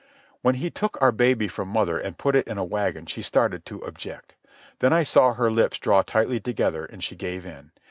When he took our baby from mother and put it in a wagon she started to object. Then I saw her lips draw tightly together, and she gave in.